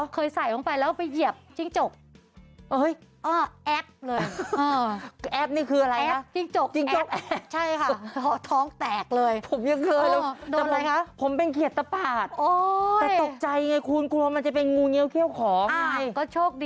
ใส่ลงไปแล้วไปเหยียบจิ้งจก